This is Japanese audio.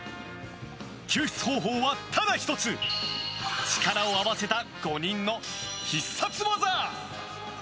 救出方法はただ１つ力を合わせた５人の必殺技。